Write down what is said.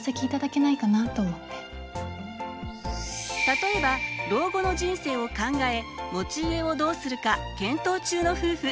例えば老後の人生を考え持ち家をどうするか検討中の夫婦。